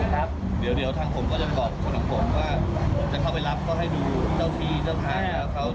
จะเข้าไปรับก็ให้ดูเจ้าที่เจ้าทาง